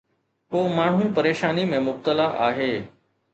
ڪو ماڻهو پريشاني ۾ مبتلا آهي